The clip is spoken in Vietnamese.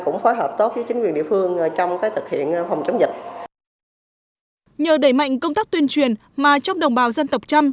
nhờ đẩy mạnh công tác tuyên truyền mà trong đồng bào dân tộc trăm